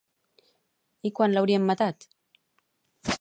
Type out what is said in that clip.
I quan l'haurien matat?